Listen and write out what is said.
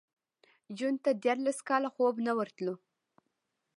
جون ته دیارلس کاله خوب نه ورتلو